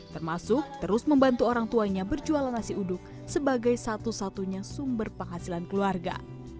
termasuk terus membantu orang tuanya berjualan nasi uduk sebagai satu satunya sumber penghasilan keluarga